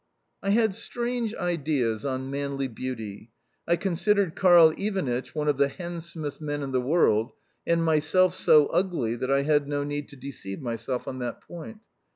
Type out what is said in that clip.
I had strange ideas on manly beauty. I considered Karl Ivanitch one of the handsomest men in the world, and myself so ugly that I had no need to deceive myself on that point.